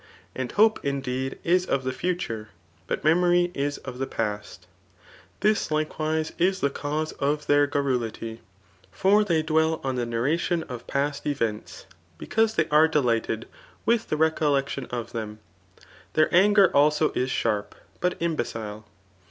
And hope, indeed, is of the future^ but memory is of the past. This likewise is the cause of their garrulity j for they dwell on the narration of past 150 THB ART OP BOPK If« ^tatBt because they are delighted with the veooUectioti of them. Their anger also is sharp, but imbecile.